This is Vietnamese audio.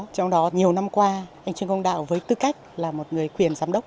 trong đó nhiều năm qua anh trương công đạo với tư cách là một người quyền giám đốc